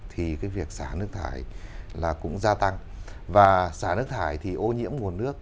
thì việc xả nước thải cũng gia tăng và xả nước thải thì ô nhiễm nguồn nước